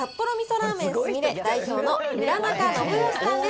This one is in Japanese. ラーメンすみれ代表の村中伸宜さんです。